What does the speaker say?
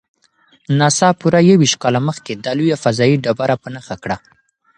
ناسا پوره یوویشت کاله مخکې دا لویه فضايي ډبره په نښه کړه.